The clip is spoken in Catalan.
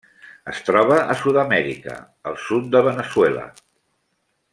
Es troba a Sud-amèrica: el sud de Veneçuela.